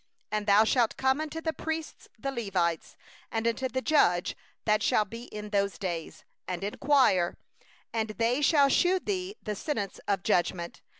9And thou shall come unto the priests the Levites, and unto the judge that shall be in those days; and thou shalt inquire; and they shall declare unto thee the sentence of judgment.